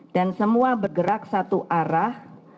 dan semua bergerak satu arah